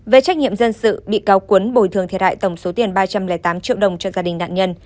về trách nhiệm dân sự bị cáo cuốn bồi thường thiệt hại tổng số tiền ba trăm linh tám triệu đồng cho gia đình nạn nhân